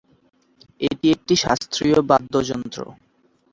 এটি একটি শাস্ত্রীয় বাদ্যযন্ত্র।